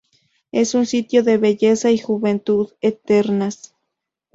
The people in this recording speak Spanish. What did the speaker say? Es un sitio de belleza y juventud eternas.